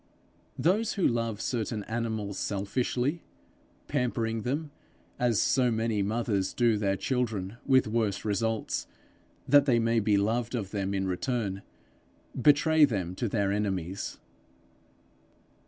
Those who love certain animals selfishly, pampering them, as so many mothers do their children with worse results, that they may be loved of them in return, betray them to their enemies.